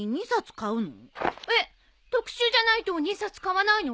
特集じゃないと２冊買わないの？